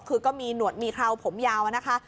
คือก็มีหนวดมีเคราวผมยาวนะคะ